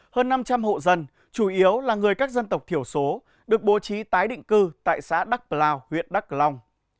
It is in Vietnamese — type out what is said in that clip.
hơn năm trăm linh hộ dân chủ yếu là người các dân tộc thiểu số được bố trí tái định cư tại xã đắk plao huyện đắk nông